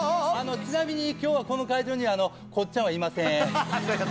ちなみに今日はこの会場にはこっちゃんはいません。